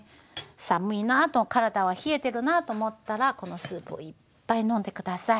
寒いなと体は冷えてるなと思ったらこのスープをいっぱい飲んで下さい。